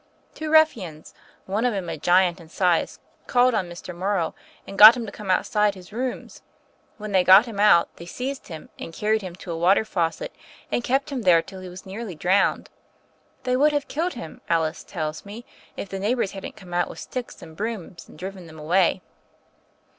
"Two ruffians, one of them a giant in size, called on Mr. Morrow, and got him to come outside his rooms. When they got him out, they seized him and carried him to a water faucet, and kept him there till he was nearly drowned. They would have killed him, Alice tells me, if the neighbors hadn't come out with sticks and brooms and driven them away."